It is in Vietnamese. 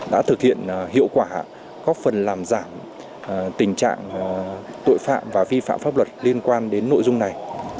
đã thực hiện hiệu quả góp phần làm giảm tình trạng tội phạm và vi phạm pháp luật liên quan đến nội dung này